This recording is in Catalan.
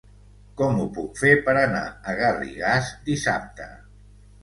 Com ho puc fer per anar a Garrigàs dissabte?